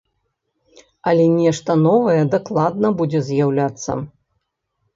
Але нешта новае дакладна будзе з'яўляцца.